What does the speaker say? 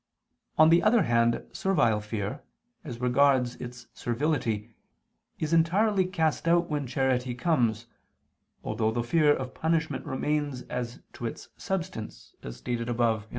On the other hand servile fear, as regards its servility, is entirely cast out when charity comes, although the fear of punishment remains as to its substance, as stated above (A.